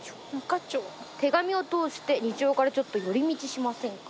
「手紙を通して日常からちょっと寄り道しませんか？」